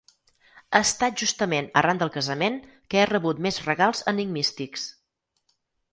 Ha estat justament arran del casament que he rebut més regals enigmístics.